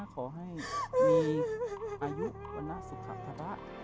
ขอให้มีอายุวันหน้าสุขภัตระ